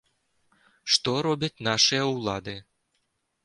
Што робяць нашыя ўлады!?